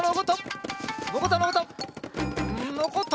のこった！